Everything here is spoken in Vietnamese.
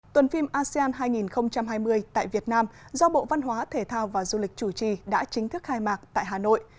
tuần phim asean hai nghìn hai mươi tại việt nam do bộ văn hóa thể thao và du lịch chủ trì đã chính thức khai mạc tại hà nội